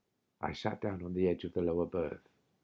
I sat down on the edge of the lower berth.